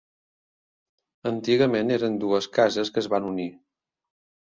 Antigament eren dues cases que es van unir.